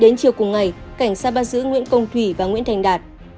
đến chiều cùng ngày cảnh sát bắt giữ nguyễn công thủy và nguyễn thành đạt